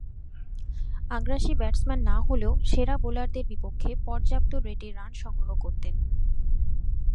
আগ্রাসী ব্যাটসম্যান না হলেও সেরা বোলারদের বিপক্ষে পর্যাপ্ত রেটে রান সংগ্রহ করতেন।